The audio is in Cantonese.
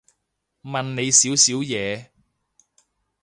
問你少少嘢